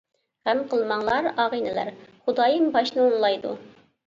غەم قىلماڭلار ئاغىنىلەر، خۇدايىم باشنى ئوڭلايدۇ.